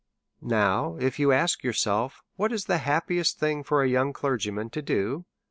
Now, if you ask yourself what is the happiest thing for a young clergyman to do